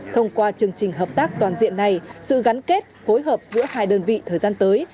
thông qua chương trình hợp tác toàn diện này sự gắn kết phối hợp giữa hai đơn vị thời gian tới